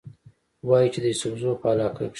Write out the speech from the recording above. وايي چې د يوسفزو پۀ علاقه کښې